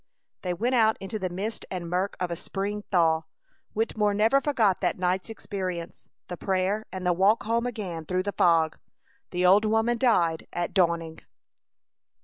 They went out into the mist and murk of a spring thaw. Wittemore never forgot that night's experience the prayer, and the walk home again through the fog. The old woman died at dawning.